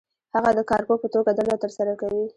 هغه د کارپوه په توګه دنده ترسره کوي.